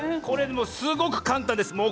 これ、すごく簡単です。